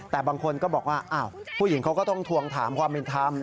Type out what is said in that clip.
แต่บางคนก็บอกว่าผู้หญิงเขาก็ต้องทวงถามความเป็นธรรม